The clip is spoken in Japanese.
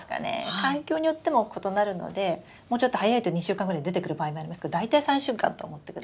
環境によっても異なるのでもうちょっと早いと２週間ぐらいで出てくる場合もありますけど大体３週間と思ってください。